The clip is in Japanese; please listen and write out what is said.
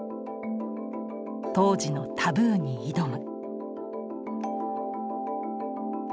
当時のタブーに挑む。